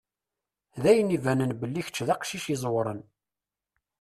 D ayen ibanen belli kečč d aqcic iẓewṛen.